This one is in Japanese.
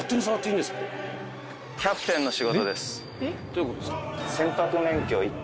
どういうことですか？